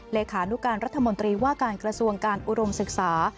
เลขานุการรัฐมนตรีว่าการกระทรวงการอุดมศึกษา